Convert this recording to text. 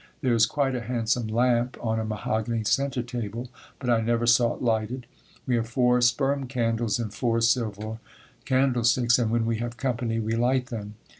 There is quite a handsome lamp on a mahogany center table, but I never saw it lighted. We have four sperm candles in four silver candlesticks and when we have company we light them.